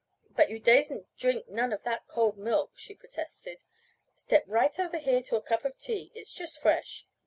"But you dasen't drink none of that cold milk," she protested. "Step right over here to a cup of tea, it's just fresh.